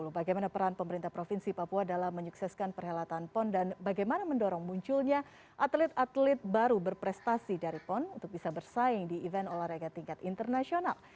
bagaimana peran pemerintah provinsi papua dalam menyukseskan perhelatan pon dan bagaimana mendorong munculnya atlet atlet baru berprestasi dari pon untuk bisa bersaing di event olahraga tingkat internasional